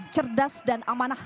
cerdas dan amanah